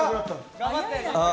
頑張って。